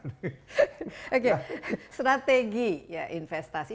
oke strategi ya investasi